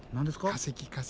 化石化石。